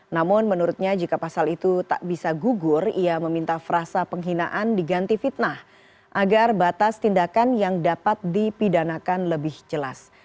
namun menurutnya jika pasal itu tak bisa gugur ia meminta frasa penghinaan diganti fitnah agar batas tindakan yang dapat dipidanakan lebih jelas